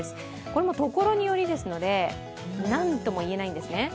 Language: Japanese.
これもところによりですので、なんとも言えないんですね。